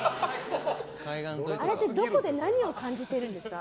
あれってどこで何を感じてるんですか？